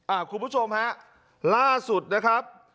คุณผู้ชมฮะล่าสุดนะครับ